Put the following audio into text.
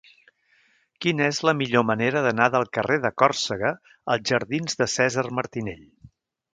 Quina és la millor manera d'anar del carrer de Còrsega als jardins de Cèsar Martinell?